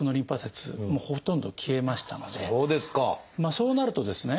そうなるとですね